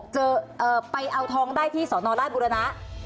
เจอไปเอาทองได้ที่สอนอราชบุรณะ